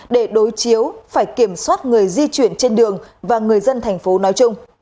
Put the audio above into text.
để đối chiếu phải kiểm soát người di chuyển trên đường và người dân thành phố nói chung